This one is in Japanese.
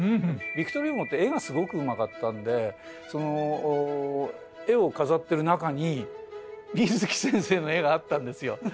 ヴィクトル・ユゴーって絵がすごくうまかったんでその絵を飾ってる中に水木先生の絵があったんですよ。